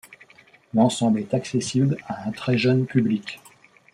L'ensemble est accessible à un très jeune public.